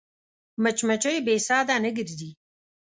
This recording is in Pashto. مچمچۍ بې سده نه ګرځي